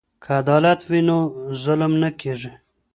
که عدالت وي نو ظلم نه کیږي.